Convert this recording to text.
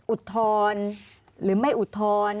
อุดทนหรือไม่อุดทน